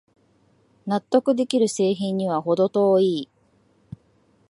納得できる製品にはほど遠い